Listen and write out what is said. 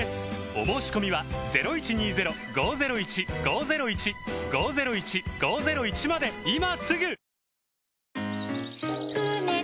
お申込みは今すぐ！